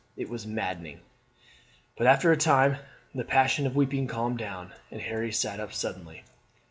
It was maddening! But after a time the passion of weeping calmed down, and Harry sat up suddenly.